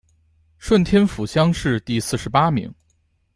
顺天府乡试第四十八名。